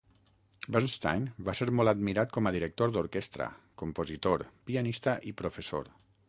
Bernstein va ser molt admirat com a director d'orquestra, compositor, pianista i professor.